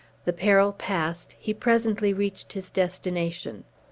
The peril past, he presently reached his destination.